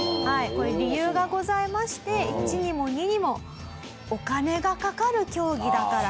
これ理由がございまして一にも二にもお金がかかる競技だから。